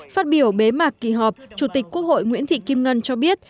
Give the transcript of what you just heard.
phát biểu bế mạc kỳ họp chủ tịch quốc hội nguyễn thị kim ngân cho biết